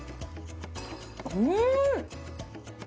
うん！